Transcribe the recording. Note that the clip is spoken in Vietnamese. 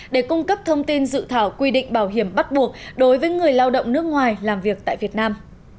để cung cấp thông tin dự thảo quy định bảo hiểm bắt buộc đối với người lao động nước ngoài làm việc tại việt nam